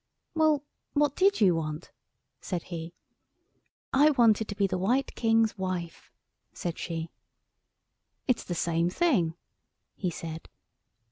"Well, what did you want?" said he. "I wanted to be the White King's wife," said she. "It's the same thing," he said.